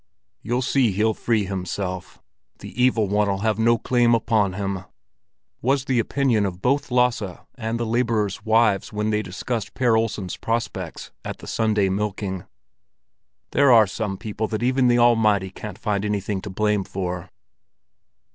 "You'll see he'll free himself; the Evil One'll have no claim upon him," was the opinion of both Lasse and the laborers' wives when they discussed Per Olsen's prospects at the Sunday milking. "There are some people that even the Almighty can't find anything to blame for."